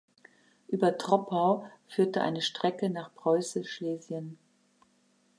Über Troppau führte eine Strecke nach Preußisch-Schlesien.